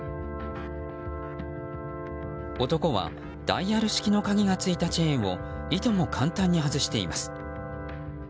男はダイヤル式の鍵がついたチェーンをいとも簡単に外しています。